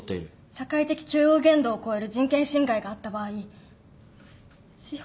社会的許容限度を超える人権侵害があった場合私法？